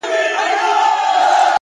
هوښیار انسان د بیړې قرباني نه کېږي؛